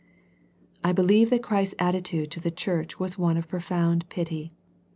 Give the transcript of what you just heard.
I believe that Christ's attitude to the church was one of profound pity.